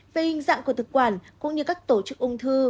về hình dạng của thực quản cũng như các tổ chức ung thư